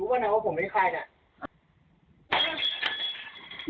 รู้ป่าวหนึ่งว่าผมเป็นใครเนี้ย